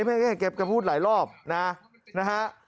ไม่แค่เก็บกระพูดหลายรอบนะฮะ